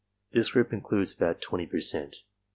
This group includes about twenty per cent.